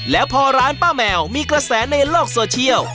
แล้วพอร้านป้าแมวมีกระแสในโลกโซเชียล